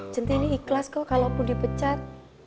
centini ikhlas kok kalaupun dipecat